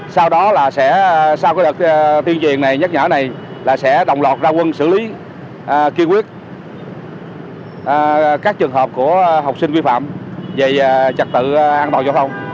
sau đó là sẽ sau đợt tuyên truyền này nhắc nhở này là sẽ đồng loạt ra quân xử lý kiên quyết các trường hợp của học sinh vi phạm về trật tự an toàn giao thông